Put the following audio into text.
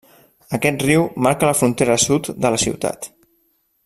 Aquest riu marca la frontera sud de la ciutat.